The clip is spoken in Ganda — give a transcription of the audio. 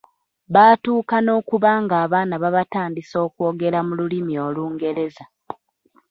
Batuuka n’okuba ng’abaana babatandisa okwogera mu Lulimi Olungereza.